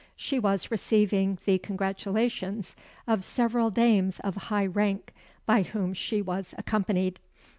She was receiving the congratulations of several dames of high rank by whom she was accompanied.